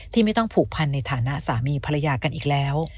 ไม่ต้องผูกพันในฐานะสามีภรรยากันอีกแล้ว